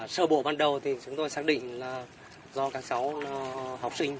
sở bộ ban đầu thì chúng tôi xác định là do các cháu học sinh